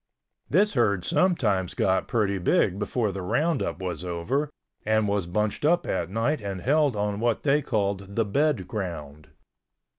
This herd sometimes got pretty big before the roundup was over and was bunched up at night and held on what they called the bed ground.